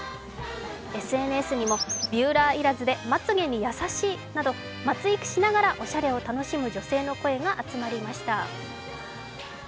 ＳＮＳにもビューラー要らずでまつげに優しいと、まつ育しながらおしゃれを楽しむ女性の声が集まりました。